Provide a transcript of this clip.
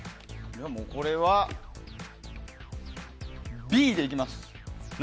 これはＢでいきます。